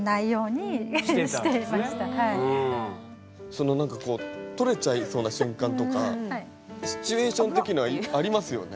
その何かこう取れちゃいそうな瞬間とかシチュエーション的にはありますよね？